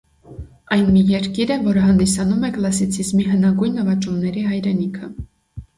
Այն մի երկիր է, որը հանդիսանում է կլասիցիզմի հնագույն նվաճումների հայրենիքը։